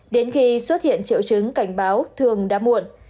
đến khi xuất hiện triệu chứng cảnh báo thường đã muộn